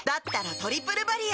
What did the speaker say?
「トリプルバリア」